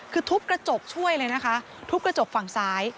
คือทุบกระจกช่วยเลยนะคะทุบกระจกฝั่งซ้าย